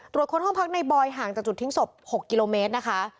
คนห้องพักในบอยห่างจากจุดทิ้งศพ๖กิโลเมตรนะคะ